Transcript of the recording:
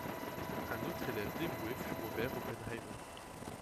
Un autre élève dévoué fut Robert Oppenheimer.